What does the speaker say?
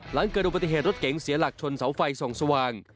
หลังเกิดอุบัติเหตุรถเก๋งเสียหลักชนเสาไฟส่องสว่าง